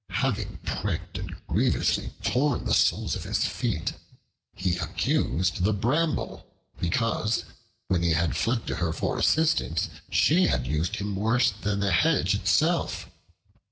Having pricked and grievously torn the soles of his feet, he accused the Bramble because, when he had fled to her for assistance, she had used him worse than the hedge itself.